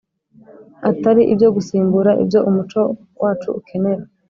atari ibyo gusimbura ibyo umuco wacu ukenera